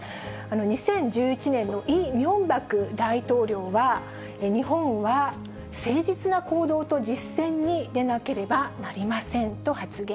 ２０１１年のイ・ミョンバク大統領は、日本は誠実な行動と実践に出なければなりませんと発言。